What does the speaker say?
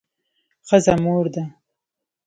ښځه مور ده